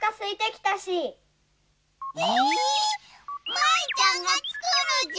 舞ちゃんがつくるじゃ？